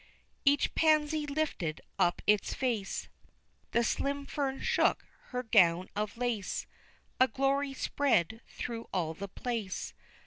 Each pansy lifted up its face, The slim fern shook her gown of lace, A glory spread through all the place.